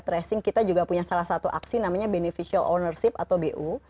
tracing kita juga punya salah satu aksi namanya beneficial ownership atau bu